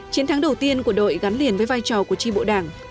chiến thắng đầu tiên của đội gắn liền với vai trò của tri bộ đảng